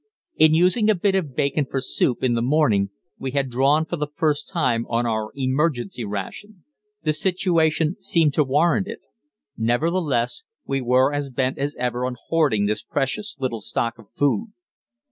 In using a bit of bacon for soup in the morning we had drawn for the first time on our "emergency ration" the situation seemed to warrant it; nevertheless, we were as bent as ever on hoarding this precious little stock of food.